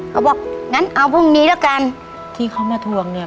เขาบอกงั้นเอาพรุ่งนี้แล้วกันที่เขามาทวงเนี่ย